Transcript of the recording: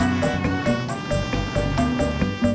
emang udah berapa minggu pak